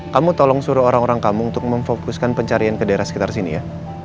kamu tolong suruh orang orang kamu untuk memfokuskan pencarian ke daerah sekitar sini ya